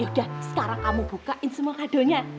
yaudah sekarang kamu bukain semua kado nya ya